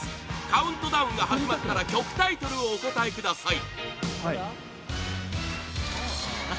カウントダウンが始まったら曲タイトルをお答えください